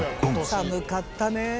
寒かったね。